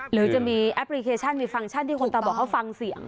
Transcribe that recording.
หรือจะมีแอปพลิเคชันมีฟังก์ชั่นที่คุณตาบอกเขาฟังเสียง